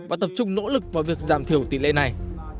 và tập trung nỗ lực vào việc giảm thiểu tỷ lệ này